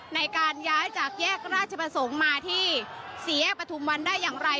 ในการย้ายจากแยกราชประสงค์มาที่สี่แยกประทุมวันได้อย่างไร